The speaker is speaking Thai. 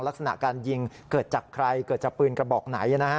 ลักษณะการยิงเกิดจากใครเกิดจากปืนกระบอกไหนนะฮะ